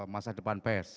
masa depan pers